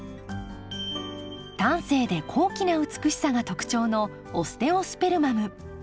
端正で高貴な美しさが特徴のオステオスペルマム。